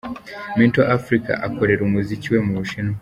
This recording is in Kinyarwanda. Mento Africa akorera umuziki we mu Bushinwa.